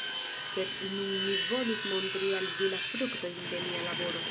Sed nun mi volus montri al vi la fruktojn de mia laboro.